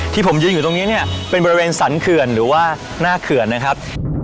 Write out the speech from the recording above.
ที่ผมยืนอยู่ตรงนี้เนี่ยเป็นบริเวณสรรเขื่อนหรือว่าหน้าเขื่อนนะครับ